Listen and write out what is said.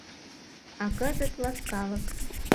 А кызыт — ласкалык.